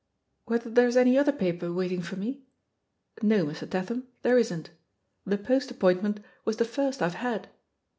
"Whether there's any other paper waiting for me? No, ]Mr. Tatham, there isn't. The Post appointment was the first I've had."